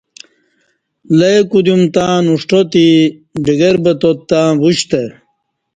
لئے کودیوم تں نُݜٹاتی ڈگربتات تں وُشتہ